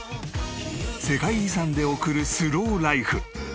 世界遺産で送るスローライフ。